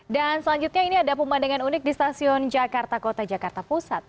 dan selanjutnya ini ada pemandangan unik di stasiun jakarta kota jakarta pusat